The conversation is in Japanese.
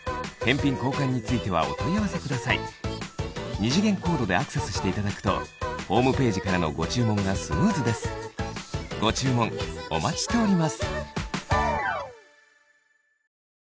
二次元コードでアクセスしていただくとホームページからのご注文がスムーズですご注文お待ちしております